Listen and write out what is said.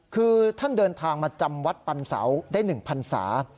คือท่านเดินทางมาจำวัดปันเสาได้๑พันศา